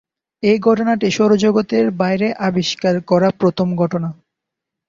এ ঘটনাটি সৌরজগতের বাইরে আবিষ্কার করা প্রথম ঘটনা।